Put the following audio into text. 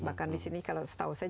bahkan disini kalau setahu saya